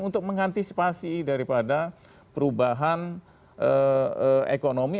untuk mengantisipasi daripada perubahan ekonomi